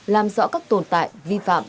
làm rõ các tồn tại vi phạm